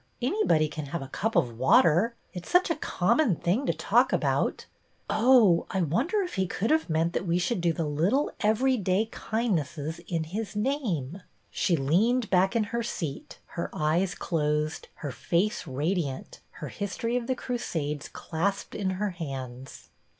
Anybody can have a cup of water; it's such a common thing to talk about — oh, I wonder if He could have meant that we should do the little, everyday kindnesses in His name." 1 204 BETTY BAIRD She leaned back in her seat, her eyes ' closed, her face radiant, her " History of the Crusades " clasped in her hands.